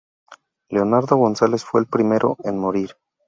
Leonardo González fue el primero en morir.